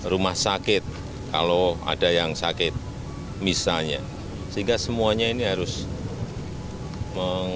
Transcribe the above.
rumah sakit kalau ada yang sakit misalnya sehingga semuanya ini harus menghubungkan